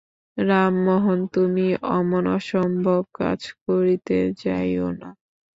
রামমােহন তুমি অমন অসম্ভব কাজ করিতে যাইও না।